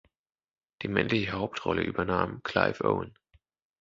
Die männliche Hauptrolle übernahm Clive Owen.